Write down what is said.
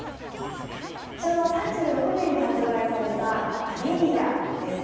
昭和３６年に発売されたアデリアです。